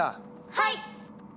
はい！